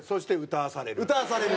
歌わされる。